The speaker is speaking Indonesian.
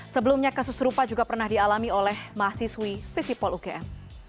sebelumnya kasus serupa juga pernah dialami oleh mahasiswi visipol ugm